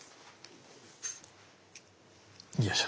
よいしょ！